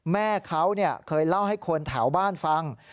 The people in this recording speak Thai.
แม่เขาเคยเล่าให้คนแถวบ้านฟัง